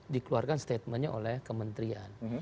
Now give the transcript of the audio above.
dikeluarkan statementnya oleh kementerian